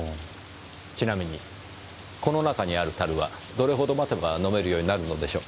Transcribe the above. ちなみにこの中にある樽はどれほど待てば飲めるようになるのでしょう？